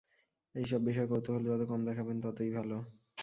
এইসব বিষয়ে কৌতূহল যত কম দেখাবেন ততই ভালো।